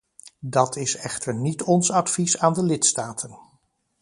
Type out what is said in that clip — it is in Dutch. Dat is echter niet ons advies aan de lidstaten.